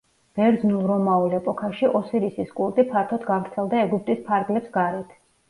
ბერძნულ-რომაულ ეპოქაში ოსირისის კულტი ფართოდ გავრცელდა ეგვიპტის ფარგლებს გარეთ.